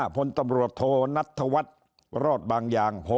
๕พลตำรวจโทณัฐวัตรรอดบางอย่าง